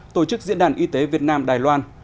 tổ chức diễn đàn y tế việt nam đài loan